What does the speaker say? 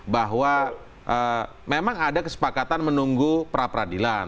bahwa memang ada kesepakatan menunggu pra peradilan